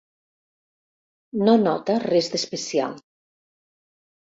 No nota res d'especial.